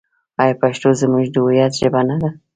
آیا پښتو زموږ د هویت ژبه نه ده؟